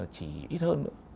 chỉ ít hơn